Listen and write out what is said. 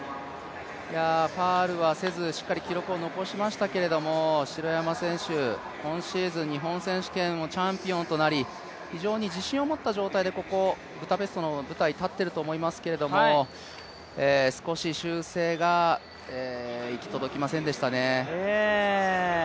ファウルはせず、しっかり記録を残しましたけれども城山選手、今シーズン日本選手権チャンピオンとなり、非常に自信を持った状態で、ここブダペストの舞台立ってると思いますけど少し修正が行き届きませんでしたね。